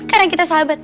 karena kita sahabat